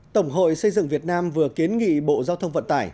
tổng hội xây dựng việt nam vừa kiến nghị bộ giao thông vận tải